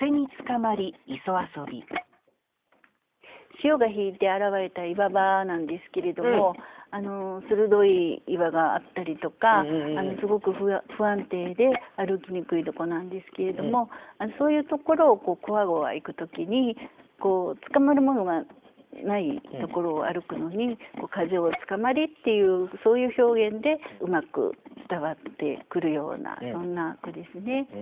潮が引いて現れた岩場なんですけれども鋭い岩があったりとかすごく不安定で歩きにくいところなんですけれどもそういうところをこわごわ行く時につかまるものがないところを歩くのに「風につかまり」っていうそういう表現でうまく伝わってくるようなそんな句ですね。